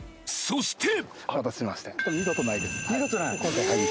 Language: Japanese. そして！